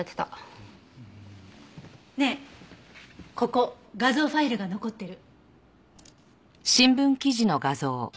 ねえここ画像ファイルが残ってる。